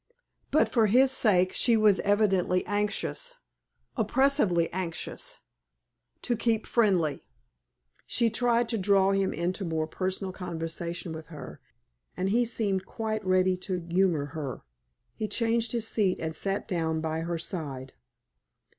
But for his sake she was evidently anxious oppressively anxious to keep friendly. She tried to draw him into more personal conversation with her, and he seemed quite ready to humor her. He changed his seat and sat down by her side.